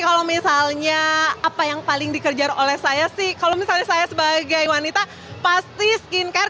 kalau misalnya apa yang paling dikejar oleh saya sih kalau misalnya saya sebagai wanita pasti skincare